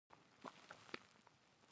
دا سیمه د دې ولسوالۍ ترټولو لوړه سیمه ده